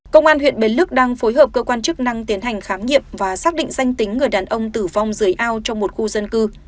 công an huyện bến lức đang phối hợp cơ quan chức năng tiến hành khám nghiệm và xác định danh tính người đàn ông tử vong dưới ao trong một khu dân cư